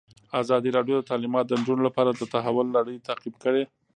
ازادي راډیو د تعلیمات د نجونو لپاره د تحول لړۍ تعقیب کړې.